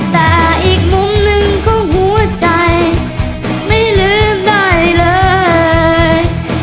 แต่อีกมุมหนึ่งของหัวใจไม่ลืมได้เลย